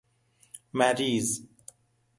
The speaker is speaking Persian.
مریض